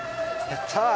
やったー！